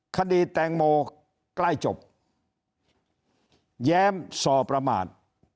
คดีแตงโมใกล้จบแย้มซอประมาท